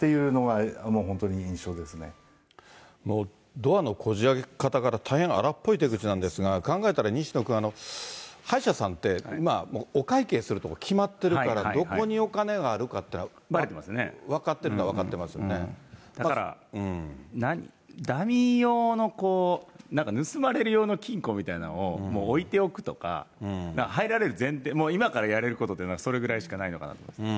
ドアのこじあけ方から大変荒っぽい手口なんですが、考えたら西野君、歯医者さんって、お会計するとこ決まってるから、どこにお金があるかって、だから、ダミー用の、なんか盗まれる用の金庫みたいなのを置いておくとか、入られる前提、今からやれることはそれぐらいなのかなと。